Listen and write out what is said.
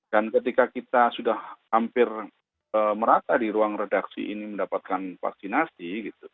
dan ketika kita sudah hampir merata di ruang redaksi ini mendapatkan vaksinasi